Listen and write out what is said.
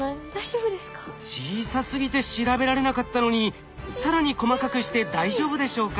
小さすぎて調べられなかったのに更に細かくして大丈夫でしょうか？